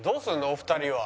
お二人は。